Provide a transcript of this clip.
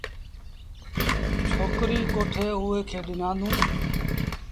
ڇوڪريٚ ڪوٺي اُئي کي ڏنآندون۔